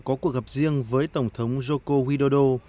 có cuộc gặp riêng với tổng thống joko widodo